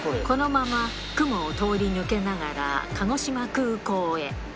このまま雲を通り抜けながら、鹿児島空港へ。